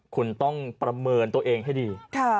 คุณต้องประเมินตัวเองให้ดี